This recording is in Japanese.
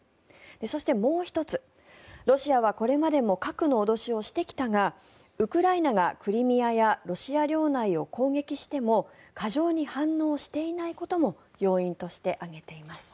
そして、もう１つロシアはこれまでも核の脅しをしてきたがウクライナがクリミアやロシア領内を攻撃しても過剰に反応していないことも要因として挙げています。